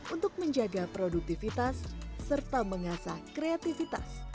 untuk menjaga produktivitas serta mengasah kreativitas